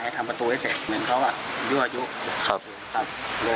มีโทรศัพท์หรอครับ